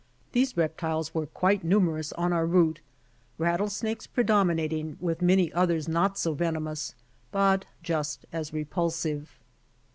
These reptiles were quite numerous on our route, rattlesnakes predomi nating, w^ith many others not so venomous, but just as repulsive.